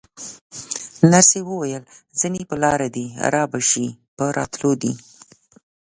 نرسې وویل: ځینې پر لاره دي، رابه شي، په راتلو دي.